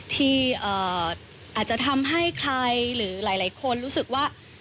ที่อาจจะทำให้ใครหรือหลายคนรู้สึกว่า